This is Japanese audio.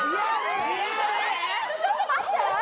えっちょっと待って！